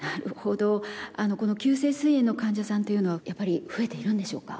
炎の患者さんというのはやっぱり増えているんでしょうか？